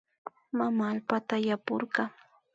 Mama allpata yapurka